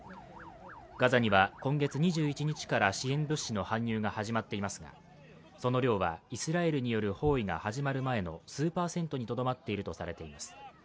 ガザには今月２１日から支援物資の搬入が始まっていますがその量はイスラエルによる包囲が始まる前の数パーセントにとどまっているとされています